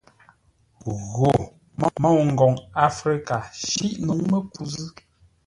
Gho, môu ngoŋ áfrə́ka, shîʼ nǔŋ məku zʉ̂.